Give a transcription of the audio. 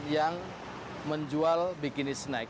yang menjual bikini snack